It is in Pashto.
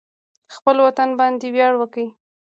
خپل وطن باندې ویاړ وکړئ